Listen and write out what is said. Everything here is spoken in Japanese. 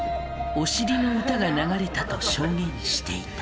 お尻の歌が流れたと証言していた。